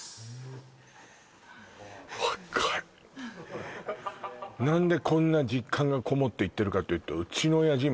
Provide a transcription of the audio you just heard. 若い何でこんな実感がこもって言ってるかというとうちの親父